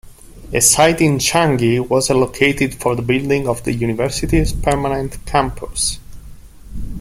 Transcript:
A site in Changi was allocated for the building of the university's permanent campus.